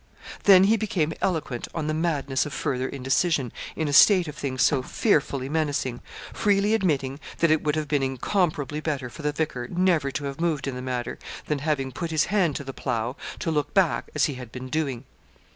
Then he became eloquent on the madness of further indecision in a state of things so fearfully menacing, freely admitting that it would have been incomparably better for the vicar never to have moved in the matter, than, having put his hand to the plough, to look back as he had been doing.